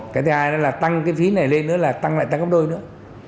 cái thứ hai là tăng cái phí này lên nữa là tăng lại tăng gấp đôi nữa